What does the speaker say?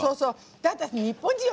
だって日本人よ。